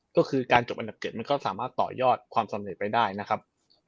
ก็คือการจบอันดับ๗มันก็สามารถต่อยอดความสำเร็จไปได้นะครับ